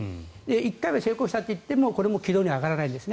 １回は成功したといってもこれは軌道に上がらないんです。